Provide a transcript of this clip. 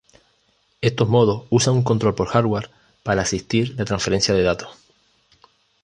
Estos modos usan un control por hardware para asistir la transferencia de datos.